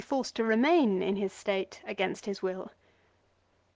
35 forced to remain in his State against his will.